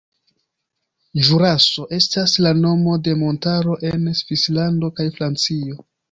Ĵuraso estas la nomo de montaro en Svislando kaj Francio.